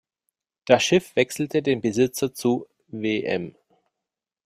Das Schiff wechselte den Besitzer zu „Wm.